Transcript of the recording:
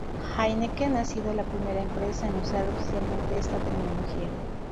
Heineken ha sido la primera empresa en usar oficialmente esta tecnología.